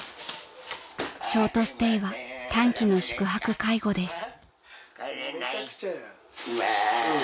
［ショートステイは短期の宿泊介護です］